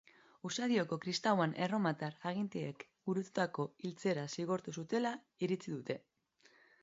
Usadio kristauan erromatar agintariek gurutzatuta hiltzera zigortu zutela iritzi dute.